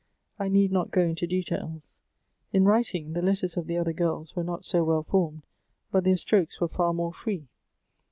I need not go into details. In writing, the letters of the other girls were not so well formed, but their strokes were far more free.